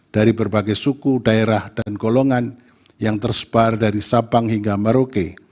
dari berbagai suku daerah dan golongan yang tersebar dari sabang hingga merauke